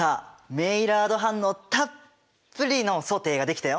メイラード反応たっぷりのソテーが出来たよ。